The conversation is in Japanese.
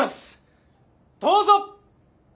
どうぞ！